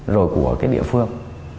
rồi của cái địa phương